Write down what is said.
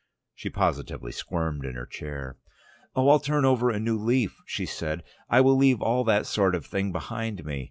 She positively squirmed in her chair. "Oh, I'll turn over a new leaf," she said. "I will leave all that sort of thing behind me.